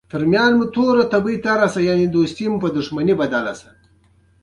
ښتې د افغانستان د انرژۍ سکتور برخه ده.